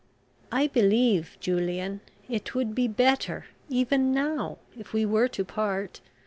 "I believe, Julian, it would be better, even now, if we were to part.